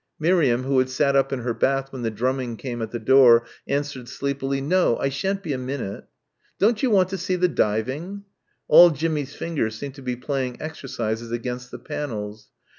Miriam, who had sat up in her bath when the drumming came at the door, answered sleepily, "No, I shan't be a minute." "Don't you want to see the diving?" All Jimmie's fingers seemed to be playing exercises against the panels.